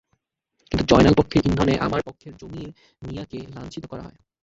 কিন্তু জয়নাল পক্ষের ইন্ধনে আমার পক্ষের জমির মিয়াকে লাঞ্ছিত করা হয়।